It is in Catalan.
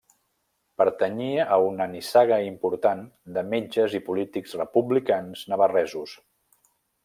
Pertanyia a una nissaga important de metges i polítics republicans navarresos.